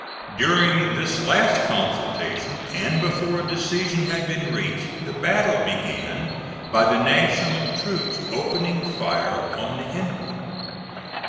During this last consultation, and before a decision had been reached, the battle began by the National troops opening fire on the enemy.